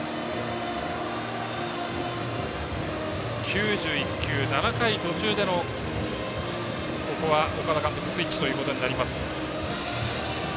９１球、７回途中でのここは岡田監督スイッチということになります。